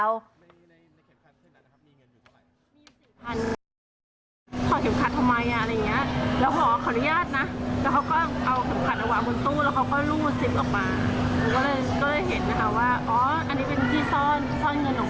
ส่วนใหญ่จะเก็บไว้หลังโทรศัพท์บ้าง